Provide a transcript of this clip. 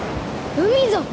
海ぞ！